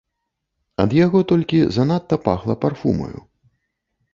Ад яго толькі занадта пахла парфумаю.